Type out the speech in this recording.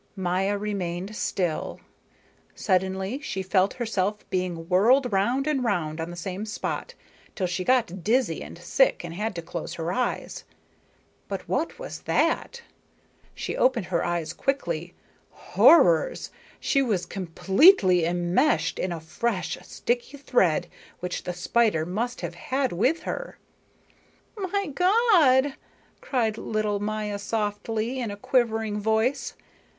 Maya remained still. Suddenly she felt herself being whirled round and round on the same spot, till she got dizzy and sick and had to close her eyes. But what was that? She opened her eyes quickly. Horrors! She was completely enmeshed in a fresh sticky thread which the spider must have had with her. "My God!" cried little Maya softly, in a quivering voice.